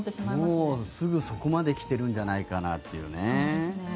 もうすぐそこまで来ているんじゃないかなっていうね。